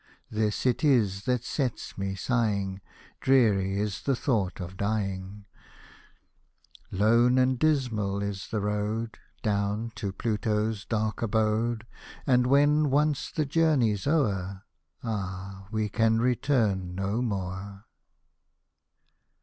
This it is that sets me sighing ; Dreary is the thought of dying ! Lone and dismal is the road, Down to Pluto's dark abode ; And, when once the journey's o'er. Ah ! we can return no more